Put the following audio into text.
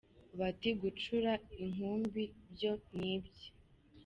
Bati gucura inkumbi byo ni ibye